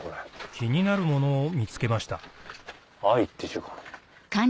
気になるものを見つけました「愛」って字かな。